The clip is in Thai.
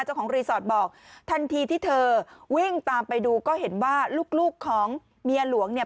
เจ้าของรีสอร์ทบอกทันทีที่เธอวิ่งตามไปดูก็เห็นว่าลูกของเมียหลวงเนี่ย